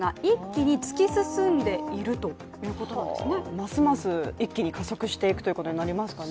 ますます、一気に加速していくということになりますかね。